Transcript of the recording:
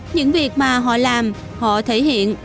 những việc mà họ làm họ thể hiện